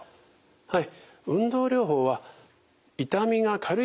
はい。